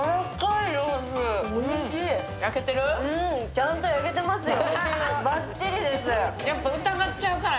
ちゃんと焼けてますよ。